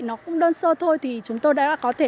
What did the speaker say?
nó cũng đơn sơ thôi thì chúng tôi đã có thể